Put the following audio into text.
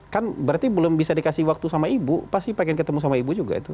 kan berarti belum bisa dikasih waktu sama ibu pasti pengen ketemu sama ibu juga itu